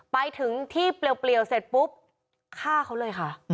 ไปถึงที่เปลี่ยวเสร็จปุ๊บฆ่าเขาเลยค่ะ